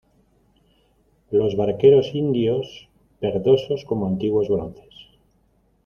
los barqueros indios, verdosos como antiguos bronces